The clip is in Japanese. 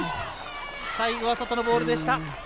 最後は外のボールでした。